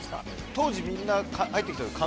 当時みんな入ってきた時。